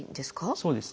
そうですね。